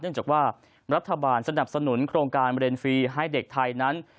จากว่ารัฐบาลสนับสนุนโครงการเรียนฟรีให้เด็กไทยนั้น